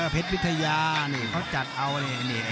เพชรวิทยานี่เขาจัดเอานี่